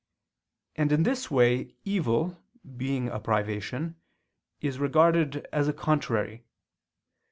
And in this way evil, being a privation, is regarded as a "contrary."